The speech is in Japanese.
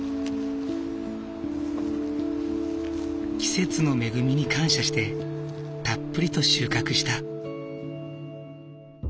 季節の恵みに感謝してたっぷりと収穫した。